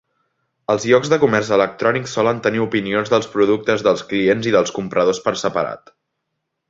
Els llocs de comerç electrònic solen tenir opinions dels productes dels clients i dels compradors per separat.